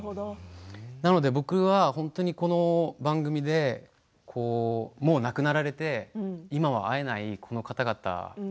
なので僕はこの番組でもう亡くなられて今は会えないこの方々